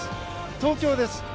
東京です。